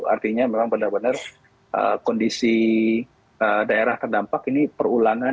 artinya memang benar benar kondisi daerah terdampak ini perulangan